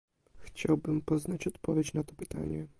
Chciałbym poznać odpowiedź na to pytanie